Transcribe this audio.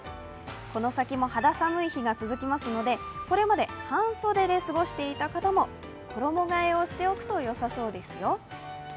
この先も肌寒い日が続きますのでこれまで半袖で過ごしていた方も衣がえをしておくとよさそうでずよ。